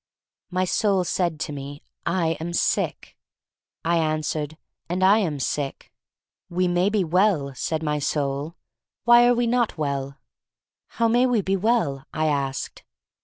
My soul said to me: "I am sick." I answered: "And I am sick." We may be well," said my soul. Why are we not well?" "How may we be well?" I asked.